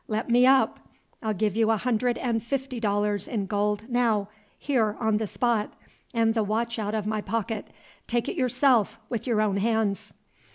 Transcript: Let me up! I'll give you a hundred and fifty dollars in gold, now, here on the spot, and the watch out of my pocket; take it yourself, with your own hands!"